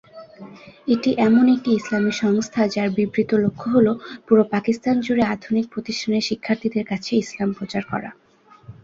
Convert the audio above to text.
এটি এমন একটি ইসলামী সংস্থা, যার বিবৃত লক্ষ্য হ'ল পুরো পাকিস্তান জুড়ে আধুনিক প্রতিষ্ঠানের শিক্ষার্থীদের কাছে ইসলাম প্রচার করা।